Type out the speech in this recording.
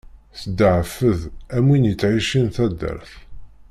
Tḍeɛfeḍ, am win ittɛicin taddart.